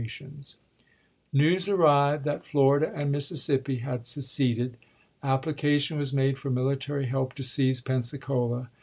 tions. News arrived that Florida and Mississippi had seceded. Application was made for military help to seize Pensacola.